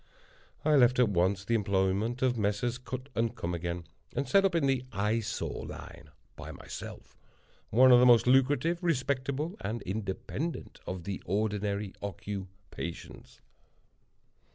I left at once the employment of Messrs. Cut & Comeagain, and set up in the Eye Sore line by myself—one of the most lucrative, respectable, and independent of the ordinary occupations.